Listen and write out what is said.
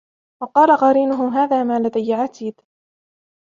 وقال قرينه هذا ما لدي عتيد